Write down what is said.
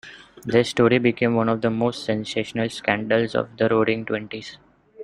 Their story became one of the most sensational "scandals" of the Roaring Twenties.